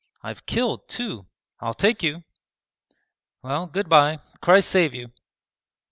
I've killed two. I'll take you.' 'Well, good bye! Christ save you.'